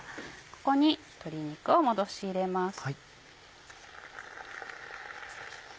ここに鶏肉を戻し入れます。